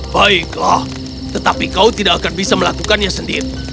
baiklah tetapi kau tidak akan bisa melakukannya sendiri